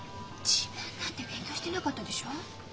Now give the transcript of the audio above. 自分だって勉強してなかったでしょう。